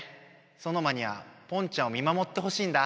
ソノマにはポンちゃんを見まもってほしいんだ。